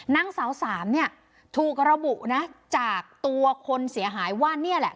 นางสาวสามเนี่ยถูกระบุนะจากตัวคนเสียหายว่านี่แหละ